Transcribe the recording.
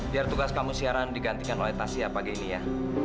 biar tugas kamu siaran digantikan oleh tasia pagi ini ya